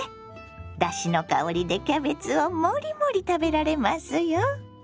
だしの香りでキャベツをもりもり食べられますよ。